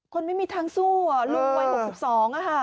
คนไม่มีทางสู้ลุงวัย๖๒